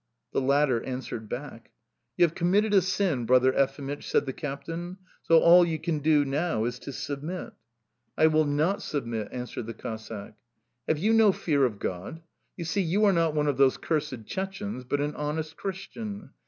The latter answered back. "You have committed a sin, brother Ephimych!" said the captain, "so all you can do now is to submit." "I will not submit!" answered the Cossack. "Have you no fear of God! You see, you are not one of those cursed Chechenes, but an honest Christian!